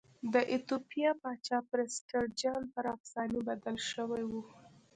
د ایتوپیا پاچا پرسټر جان پر افسانې بدل شوی و.